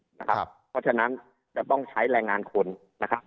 เพราะฉะนั้นจะต้องใช้แรงงานคนนะครับ